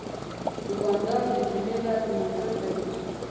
دوکاندار د جمعې ورځ لمونځ ته ځي.